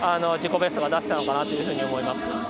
ベスト出せたのかなと思います。